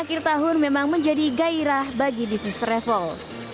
akhir tahun memang menjadi gairah bagi bisnis travel